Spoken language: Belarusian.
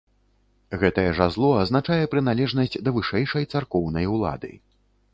Гэтае жазло азначае прыналежнасць да вышэйшай царкоўнай улады.